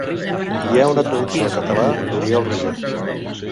Hi ha una traducció al català d'Oriol Rogent.